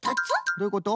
どういうこと？